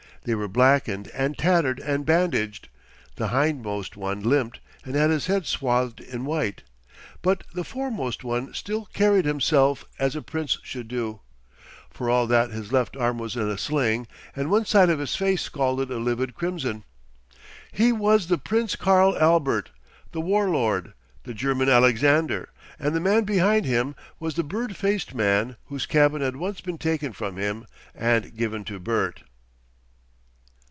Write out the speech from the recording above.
They were blackened and tattered and bandaged; the hind most one limped and had his head swathed in white, but the foremost one still carried himself as a Prince should do, for all that his left arm was in a sling and one side of his face scalded a livid crimson. He was the Prince Karl Albert, the War Lord, the "German Alexander," and the man behind him was the bird faced man whose cabin had once been taken from him and given to Bert.